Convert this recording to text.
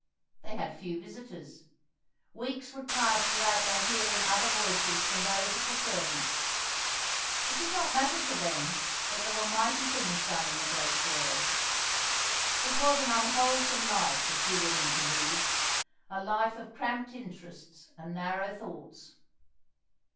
They had few visitors. Weeks would pass without their hearing other voices than those of the servants. It did not matter to them that there were mighty things done in the great world. It was an unwholesome life for two women to lead a life of cramped interests and narrow thoughts.